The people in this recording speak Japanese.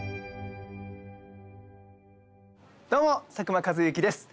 どうも佐久間一行です。